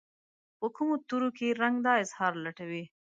په کومو تورو کې رنګ د اظهار لټوي